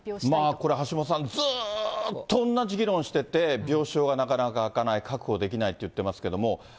これ、橋下さん、ずっと同じ議論してて、病床がなかなか空かない、確保できないといってますけれども。